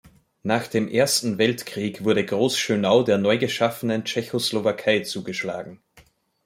Nach dem Ersten Weltkrieg wurde Groß Schönau der neu geschaffenen Tschechoslowakei zugeschlagen.